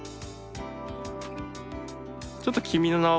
ちょっと「君の名は。」